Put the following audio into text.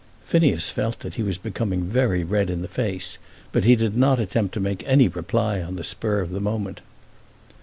Phineas felt that he was becoming very red in the face, but he did not attempt to make any reply on the spur of the moment.